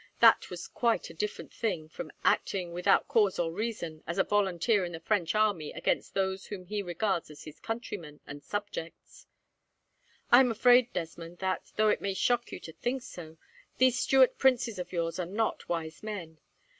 That was quite a different thing from acting, without cause or reason, as a volunteer in the French army, against those whom he regards as his countrymen and subjects. "I am afraid, Desmond, that, though it may shock you to think so, these Stuart princes of yours are not wise men.